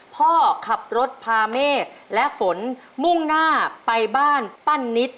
พ่อขับรถพาเมฆและฝนมุ่งหน้าไปบ้านป้านิต